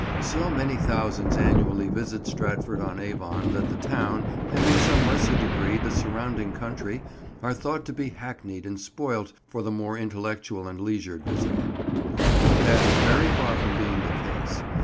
So many thousands annually visit Stratford on Avon that the town, and in some lesser degree the surrounding country, are thought to be hackneyed and spoilt for the more intellectual and leisured visitor; but that is very far from being the case.